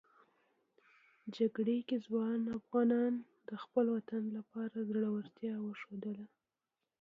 جګړې کې ځوان افغانان د خپل وطن لپاره زړورتیا وښودله.